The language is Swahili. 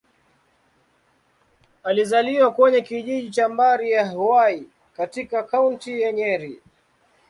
Alizaliwa kwenye kijiji cha Mbari-ya-Hwai, katika Kaunti ya Nyeri.